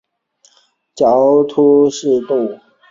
凹睾棘缘吸虫为棘口科棘缘属的动物。